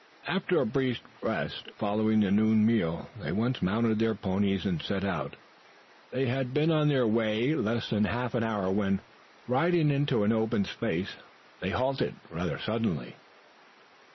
After a brief rest following the noon meal they once more mounted their ponies and set out. They had been on their way less than an hour when, riding out into an open space, they halted rather suddenly.